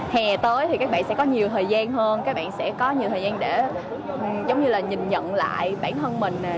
hè tới thì các bạn sẽ có nhiều thời gian hơn các bạn sẽ có nhiều thời gian để giống như là nhìn nhận lại bản thân mình